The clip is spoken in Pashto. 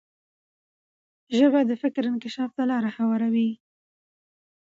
ژبه د فکر انکشاف ته لار هواروي.